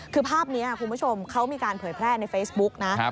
คือภาพนี้คุณผู้ชมเขามีการเผยแพร่ในเฟซบุ๊กนะ